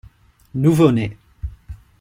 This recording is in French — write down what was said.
Nouveau-né.